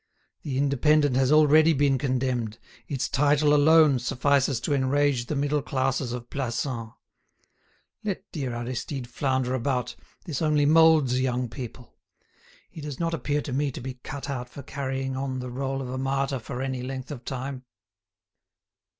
The 'Indépendant' has already been condemned, its title alone suffices to enrage the middle classes of Plassans. Let dear Aristide flounder about; this only moulds young people. He does not appear to me to be cut out for carrying on the role of a martyr for any length of time."